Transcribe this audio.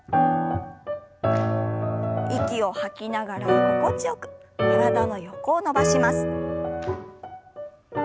息を吐きながら心地よく体の横を伸ばします。